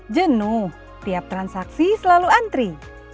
jenuh tiap transaksi selalu antri